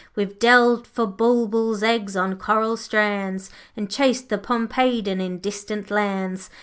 We've delved for Bulbuls' eggs on coral strands, And chased the Pompeydon in distant lands.